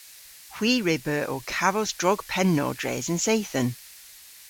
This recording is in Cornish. Hwi re beu ow kavos drog pennow dres an seythen.